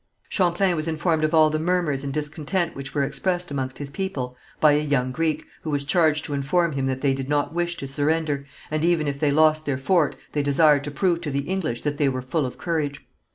Champlain was informed of all the murmurs and discontent which were expressed amongst his people by a young Greek, who was charged to inform him that they did not wish to surrender, and even if they lost their fort, they desired to prove to the English that they were full of courage.